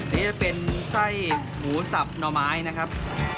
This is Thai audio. อันนี้จะเป็นไส้หมูสับหน่อไม้นะครับ